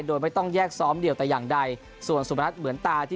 โดยไม่ต้องแยกซ้อมเดียวแต่อย่างใดส่วนสุพนัทเหมือนตาที่